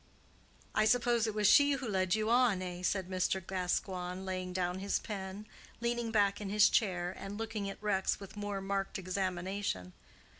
"I suppose it was she who led you on, eh?" said Mr. Gascoigne, laying down his pen, leaning back in his chair, and looking at Rex with more marked examination.